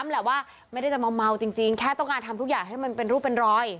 แหละว่าไม่ได้จะเมาจริงแค่ต้องการทำทุกอย่างให้มันเป็นรูปเป็นรอย